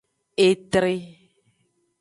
Etre.